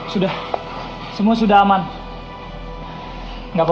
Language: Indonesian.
sudah semua sudah aman enggak papa